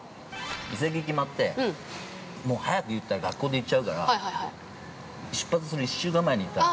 ◆移籍決まって、早く言ったら学校で言っちゃうから出発する１週間前に言ったの。